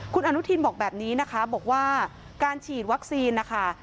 คุณอนุทินบอกแบบนี้นะคะบอกว่าการฉีดวัคซีนนะคะ